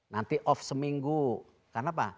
nanti off seminggu karena apa